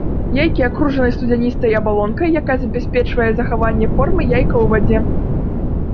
Яйкі акружаныя студзяністай абалонкай, якая забяспечвае захаванне формы яйка ў вадзе.